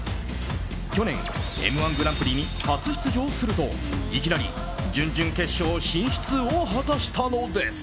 去年、「Ｍ‐１グランプリ」に初出場するといきなり準々決勝進出を果たしたのです。